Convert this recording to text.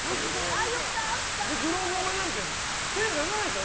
黒ごまなんて手出さないでしょ。